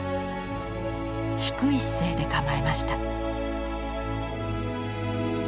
低い姿勢で構えました。